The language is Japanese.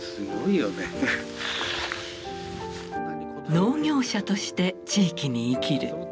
農業者として地域に生きる。